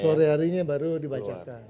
sore harinya baru dibacakan